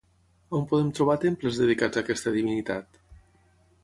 On podem trobar temples dedicats a aquesta divinitat?